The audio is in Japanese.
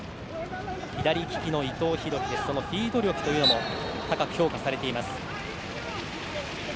左利きの伊藤洋輝はフィード力も高く評価されています。